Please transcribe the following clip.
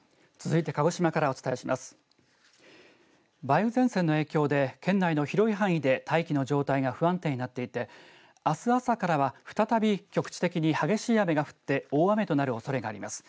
梅雨前線の影響で県内の広い範囲で大気の状態が不安定になっていて、あす朝からは再び局地的に激しい雨が降って大雨となるおそれがあります。